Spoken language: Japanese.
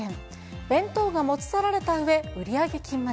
弁当が持ち去られたうえ、売上金まで。